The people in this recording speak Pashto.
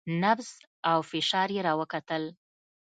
نبض او فشار يې راوکتل.